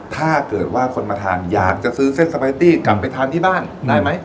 ถ้าเกิดว่าคนมาทานอยากจะซื้อเส้นสปายตี้กลับไปทานที่บ้านได้ไหม